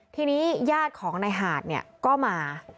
ทีนี้ญาติของในหาดก็มา